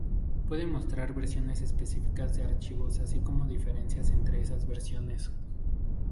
Puede mostrar versiones específicas de archivos así como diferencias entre esas versiones.